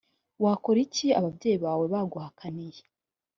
wakora iki ababyeyi bawe baguhakaniye